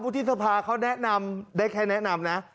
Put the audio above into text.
ที่สภาเขาแนะนำได้แค่แนะนำนะ